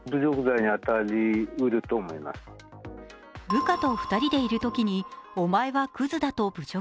部下と２人でいるときにお前は、くずだと侮辱。